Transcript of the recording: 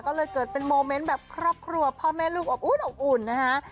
ก็เลยเกิดเป็นโมเมนต์แบบครอบครัวพ่อแม่ลูกอบอุ่นอบอุ่นนะฮะ